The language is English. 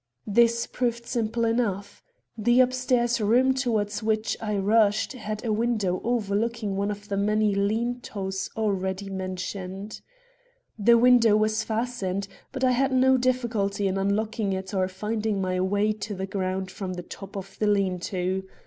This proved simple enough. The up stairs room toward which I rushed had a window overlooking one of the many lean tos already mentioned. This window was fastened, but I had no difficulty in unlocking it or in finding my way to the ground from the top of the lean to.